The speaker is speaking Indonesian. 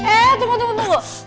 eh tunggu tunggu tunggu